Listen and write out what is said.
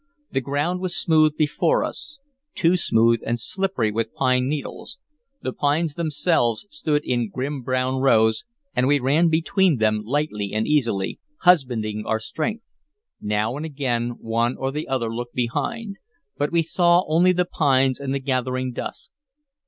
The ground was smooth before us, too smooth, and slippery with pine needles; the pines themselves stood in grim brown rows, and we ran between them lightly and easily, husbanding our strength. Now and again one or the other looked behind, but we saw only the pines and the gathering dusk.